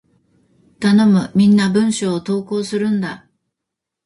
頼む！みんな文章を投稿するんだ！